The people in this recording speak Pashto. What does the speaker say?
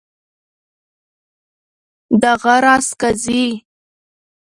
دغه راز قاضي.